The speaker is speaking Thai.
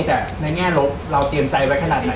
แต่ในแง่ลบเราเตรียมใจไว้ขนาดไหน